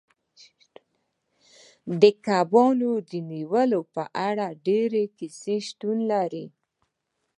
د کبانو د نیولو په اړه ډیرې کیسې شتون لري